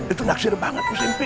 itu naksir banget mas impey